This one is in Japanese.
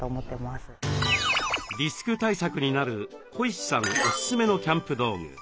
リスク対策になるこいしさんおすすめのキャンプ道具。